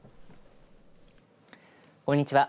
こんにちは。